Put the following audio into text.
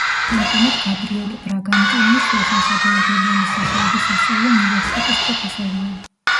ამჟამად გაბრიელე ბრაგანტინი სულხან-საბა ორბელიანის სახელობის სასწავლო უნივერსიტეტის პროფესორია.